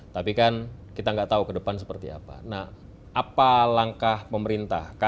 tapi kan kita nggak tahu ke depan seperti apa nah apa langkah pemerintah